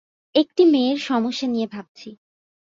একটি মেয়ের সমস্যা নিয়ে ভাবছি।